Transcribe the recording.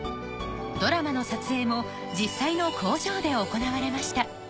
ドラマの撮影も実際の工場で行われました